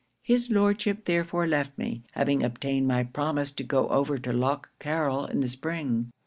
'His Lordship therefore left me, having obtained my promise to go over to Lough Carryl in the spring.